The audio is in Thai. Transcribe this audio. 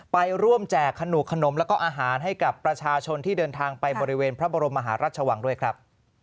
ไปร่วมแจกขนูกขนมแล้วก็อาหารให้กับประชาชนที่เดินทางไปบริเวณพระบรมมหาราชวังด้วยครับ